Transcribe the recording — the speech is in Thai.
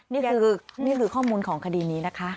นี่คือนี่คือข้อมูลของคดีนี้นะคะ